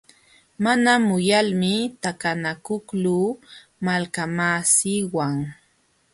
Mana muyalmi takanakuqluu malkamasiiwan.